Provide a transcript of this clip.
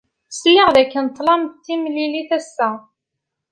Sliɣ dakken tlam timlilit ass-a.